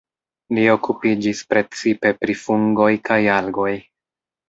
Li okupiĝis precipe pri fungoj kaj algoj.